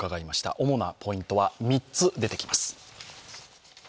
主なポイントは３つ出てきます。